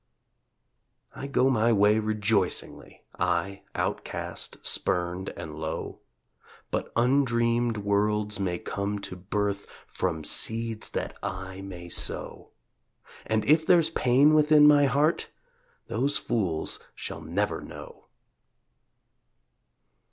I go my way rejoicingly, I, outcast, spurned and low, But undreamed worlds may come to birth From seeds that I may sow. And if there's pain within my heart Those fools shall never know.